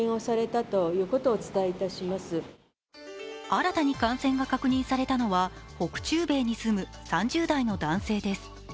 新たに感染が確認されたのは北中米に住む３０代の男性です。